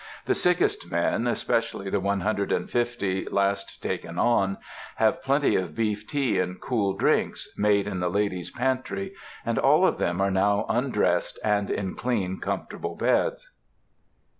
The sickest men, especially the one hundred and fifty last taken on, have plenty of beef tea and cool drinks, made in the ladies' pantry, and all of them are now undressed and in clean, comfortable beds.